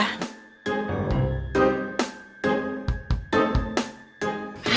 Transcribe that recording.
nah udah yuk